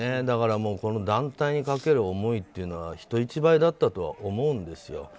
だからこの団体にかける思いというのは人一倍だったとは思うんですよ。